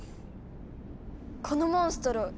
このモンストロ